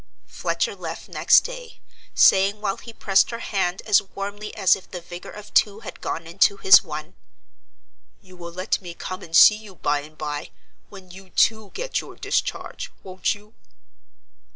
Fletcher left next day, saying, while he pressed her hand as warmly as if the vigor of two had gone into his one: "You will let me come and see you by and by when you too get your discharge: won't you?"